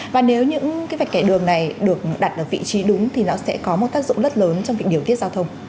và nếu những cái vạch kẻ đường này được đặt ở vị trí đúng thì nó sẽ có một tác dụng rất lớn trong việc điều tiết giao thông